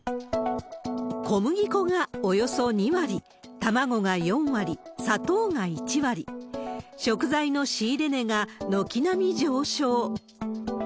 小麦粉がおよそ２割、卵が４割、砂糖が１割、食材の仕入れ値が軒並み上昇。